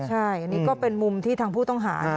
ใช่อันนี้ก็เป็นมุมที่ทางผู้ต้องหา